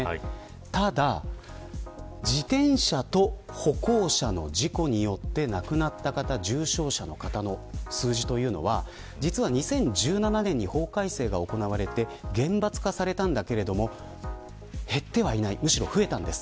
ただ、自転車と歩行者の事故によって亡くなった方や重症者の方の数字は２０１７年に法改正が行われて厳罰化されましたが減らずにむしろ増えたんです。